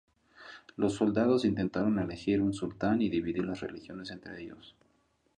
Los soldados intentaron elegir un sultán y dividir las regiones entre ellos.